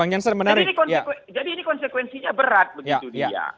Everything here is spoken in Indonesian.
jadi ini konsekuensinya berat begitu dia